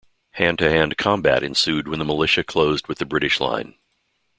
Hand-to-hand combat ensued when the Militia closed with the British Line.